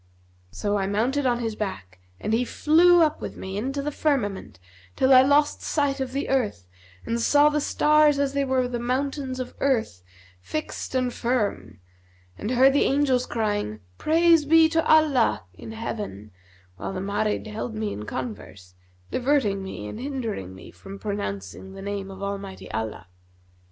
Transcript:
So I mounted on his back, and he flew up with me into the firmament, till I lost sight of the earth and saw the stars as they were the mountains of earth fixed and firm[FN#238] and heard the angels crying, 'Praise be to Allah,' in heaven while the Marid held me in converse, diverting me and hindering me from pronouncing the name of Almighty Allah.